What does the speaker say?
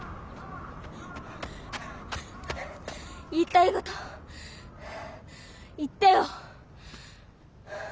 言いたいこと言ってよ！